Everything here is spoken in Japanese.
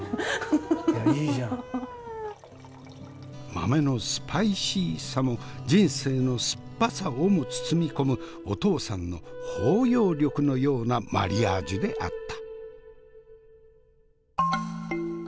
豆のスパイシーさも人生の酸っぱさをも包み込むお父さんの包容力のようなマリアージュであった。